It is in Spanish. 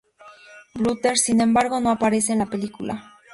Butler, sin embargo, no aparece en la película.